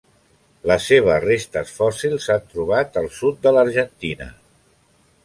Les seves restes fòssils s'han trobat al sud de l'Argentina.